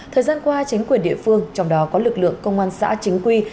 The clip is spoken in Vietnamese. thời gian qua chính quyền địa phương trong đó có lực lượng công an xã chính quy